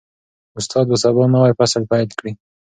استاد به سبا نوی فصل پیل کړي.